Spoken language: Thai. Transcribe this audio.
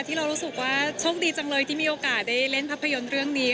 ที่เรารู้สึกว่าโชคดีจังเลยที่มีโอกาสได้เล่นภาพยนตร์เรื่องนี้